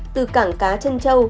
từ cảng cá trân châu